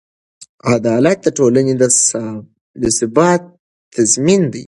عدالت د ټولنې د ثبات تضمین دی.